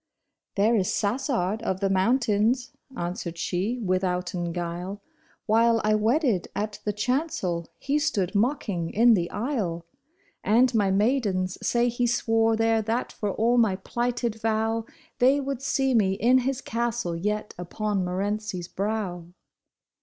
'^ There is Sassard of the Mountains," answered she withouten guile, " While I wedded at the chancel, he stood mocking in the aisle ; And my maidens say he swore there that for all my plighted vow, They would see me in his castle yet upon Morency's brow."